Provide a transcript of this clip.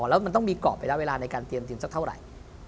แล้วมันต้องมีกรอบระยะเวลาในการเตรียมทีมสักเท่าไหร่